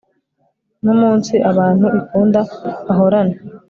no munsi abantu ikunda bahorane